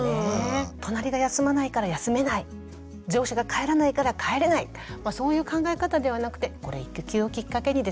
隣が休まないから休めない上司が帰らないから帰れないそういう考え方ではなくて育休をきっかけにですね